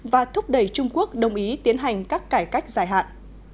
và thúc đẩy trung quốc đồng ý tiến hành các cải cách dài hạn